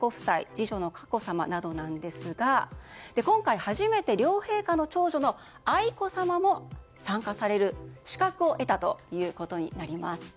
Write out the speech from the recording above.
次女の佳子さまなどなんですが今回初めて両陛下の長女の愛子さまも参加される資格を得たということになります。